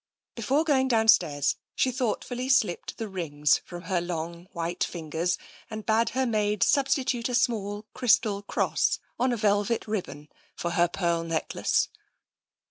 Before going downstairs she thoughtfully slipped the rings from her long white fingers, and bade her maid substitute a small crystal cross on a velvet ribbon for her pearl necklace.